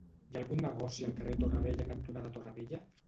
Hi ha algun negoci al carrer Torre Vella cantonada Torre Vella?